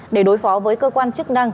để đối phó với cơ quan chức năng